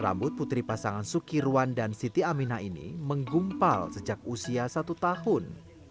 rambut putri pasangan sukirwan dan siti amina ini menggumpal sejak usia satu tahun